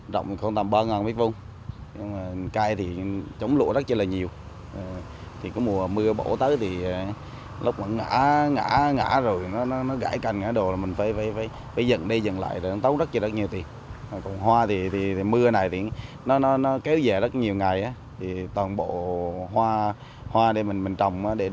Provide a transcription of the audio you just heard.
đây mình trồng để bán là nó hư toàn bộ